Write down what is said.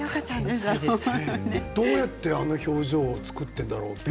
どうやってああいう表情を作っているんだろうと。